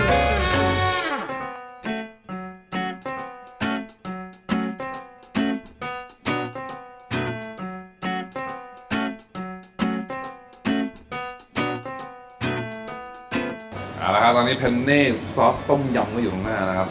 เอาละครับตอนนี้เพนนี่ซอสต้มยำก็อยู่ข้างหน้านะครับ